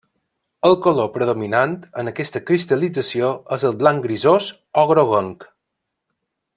El color predominant en aquesta cristal·lització és el blanc grisós o groguenc.